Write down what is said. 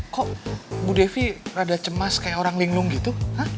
kok bu devi rada cemas kayak orang linglung gitu